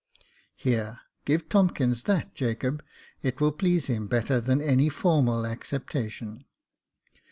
"" Here, give Tomkias that, Jacob 1, it will please him better than any formal acceptation."